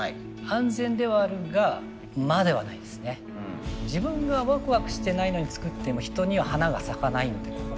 安全ではあるが自分がワクワクしてないのに作っても人には華が咲かない。